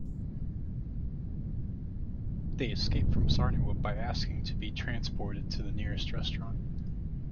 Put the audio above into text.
They escape from Zarniwoop by asking to be transported to the nearest restaurant.